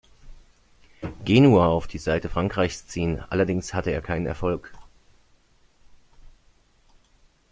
Genua auf die Seite Frankreichs ziehen, allerdings hatte er keinen Erfolg.